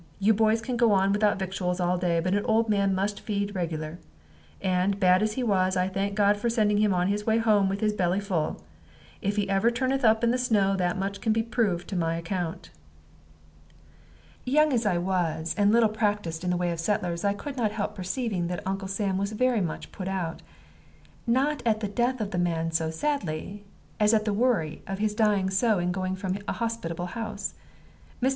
You boys can go on without victuals all day, but an old man must feed regular. And, bad as he was, I thank God for sending him on his way home with his belly full. If ever he turneth up in the snow, that much can be proved to my account." Young as I was, and little practiced in the ways of settlers, I could not help perceiving that Uncle Sam was very much put out not at the death of the man so sadly, as at the worry of his dying so in going from a hospitable house. Mr.